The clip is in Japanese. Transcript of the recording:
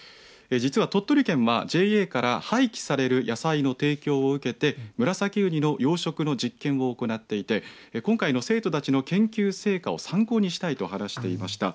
実は鳥取県はＪＡから廃棄される野菜の提供を受けてムラサキウニの養殖の実験を行っていて今回の生徒たちの研究成果を参考にしたいと話していました。